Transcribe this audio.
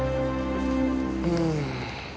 うん。